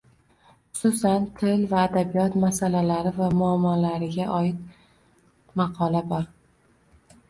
Xususan, til va adabiyot masalalari va muammolariga oid maqola bor